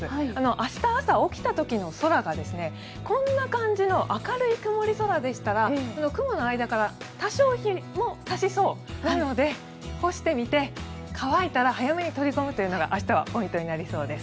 明日朝、起きた時の空がこんな感じの明るい曇り空でしたら雲の間から多少、日も差しそうなので干してみて、乾いたら早めに取り込むというのが明日はポイントになりそうです。